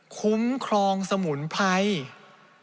คุ้มครองสมุนไพร